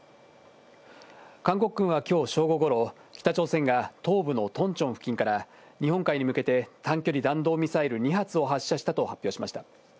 韓国軍はきょう正午ごろ、北朝鮮が東部のトンチョン付近から、日本海に向けて短距離弾道ミサイル２発を発射したと発表しました。